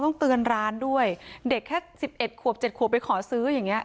ต้องเตือนร้านด้วยเด็กแค่สิบเอ็ดขวบ๗ขวบไปขอซื้ออย่างเงี้